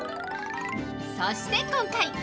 そして、今回。